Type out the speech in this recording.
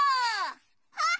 あっ！